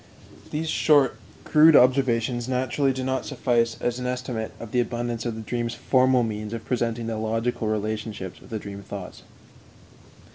These short, crude observations naturally do not suffice as an estimate of the abundance of the dream's formal means of presenting the logical relationships of the dream thoughts.